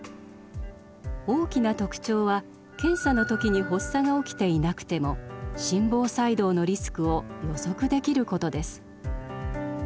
大きな特徴は検査の時に発作が起きていなくても心房細動のリスクを予測できることです。